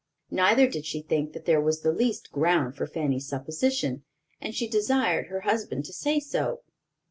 Neither did she think there was the least ground for Fanny's supposition, and she desired her husband to say so.